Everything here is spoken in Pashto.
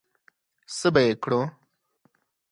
څه به یې کړو؟